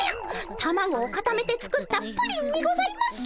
たまごをかためて作った「プリン」にございます。